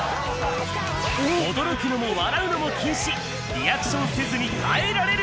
驚くのも笑うのも禁止。